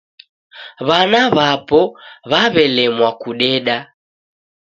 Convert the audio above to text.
W'ana w'apo w'aw'elemwa kudeda.